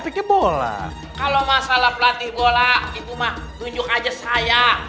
pelatih bola kalau masalah pelatih bola kalau masalah pelatih bola kalau masalah